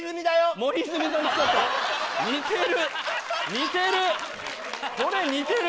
似てる！